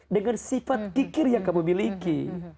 dengan sifat kikir yang kamu miliki